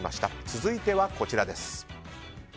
続いてはこちらです。